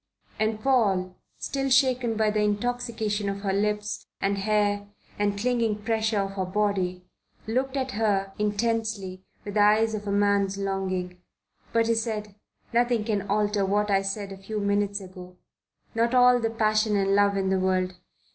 And Paul, still shaken by the intoxication of her lips and hair and clinging pressure of her body, looked at her intensely with the eyes of a man's longing. But he said: "Nothing can alter what I said a few minutes ago not all the passion and love in the world.